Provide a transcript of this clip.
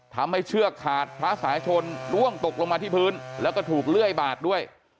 เชือกขาดพระสายชนร่วงตกลงมาที่พื้นแล้วก็ถูกเลื่อยบาดด้วย